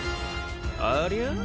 ありゃ？